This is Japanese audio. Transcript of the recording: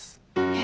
え？